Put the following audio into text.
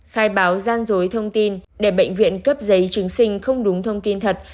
khai báo gian dối thông tin để bệnh viện cấp giấy chứng sinh không đúng thông tin thật